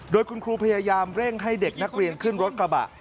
โดยคุณครูพยายามเร่งให้เด็กนักเรียนขึ้นรถกระบะ